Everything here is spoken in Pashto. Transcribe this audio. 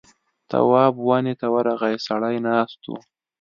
تواب ونه ته ورغی سړی ناست و.